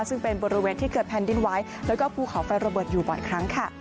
ซึ่งเป็นบริเวณที่เกิดแผ่นดินไว้แล้วก็ภูเขาไฟระเบิดอยู่บ่อยครั้งค่ะ